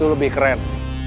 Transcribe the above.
itu lebih keren